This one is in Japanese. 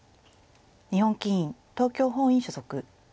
日本棋院東京本院所属。